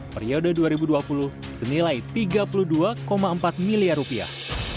periode dua ribu dua puluh senilai tiga puluh dua empat miliar rupiah